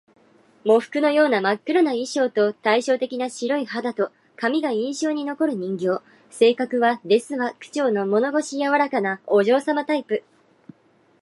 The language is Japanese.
喪服のような真っ黒な衣装と、対照的な白い肌と髪が印象に残る人形。性格は「ですわ」口調の物腰柔らかなお嬢様タイプ